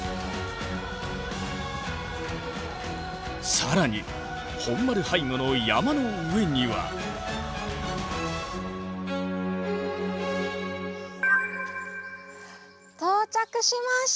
更に本丸背後の山の上には。到着しました！